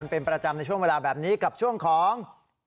เป็นประจำในช่วงเวลาแบบนี้กับช่วงของ